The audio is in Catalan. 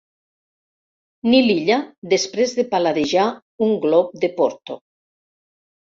Nil Illa després de paladejar un glop de Porto—.